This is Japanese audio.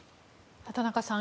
畑中さん